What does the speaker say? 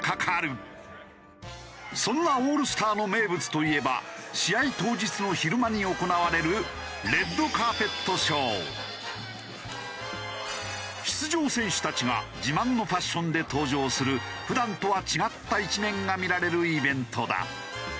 そんなオールスターの名物といえば試合当日の昼間に行われる出場選手たちが自慢のファッションで登場する普段とは違った一面が見られるイベントだ。